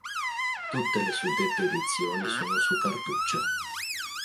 Tutte le suddette edizioni sono su cartuccia.